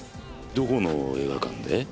どこの映画館で？